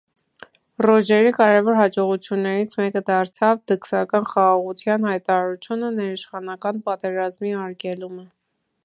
Ռոժերի կարևոր հաջողություններից մեկը դարձավ «դքսական խաղաղության» հայտարարությունը՝ ներիշխանական պատերազմների արգելումը։